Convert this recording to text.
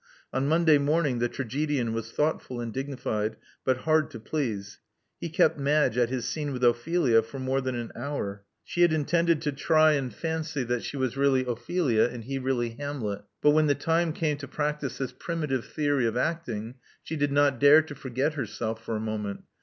On Monday morning the tra gedian was thoughtful and dignified, but hard to please. He kept Madge at his scene with Ophelia for more than an hour. She had intended to try and fancy that 152 Love Among the Artists she was really Ophelia, and he really Hamlet; but when the time came to practice this primitive theory of acting, she did not dare to forget herself for a moment.